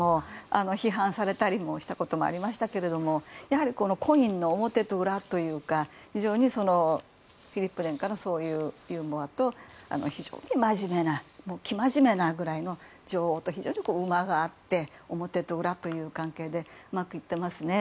批判されたりしたこともありましたがやはり、コインの表と裏というかフィリップ殿下のユーモアと非常にまじめな生真面目なくらいの女王と非常に馬が合って表と裏という関係でうまくいっていますね。